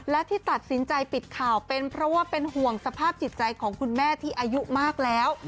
และที่ตัดสินใจปิดข่าวเป็นเพราะว่าเป็นห่วงสภาพจิตใจของคุณแม่ที่อายุมากแล้ว